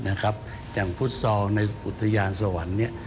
อย่างฟุตซอลในอุทยานสวรรค์เนี่ย